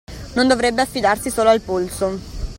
Non dovrebbe affidarsi solo al polso.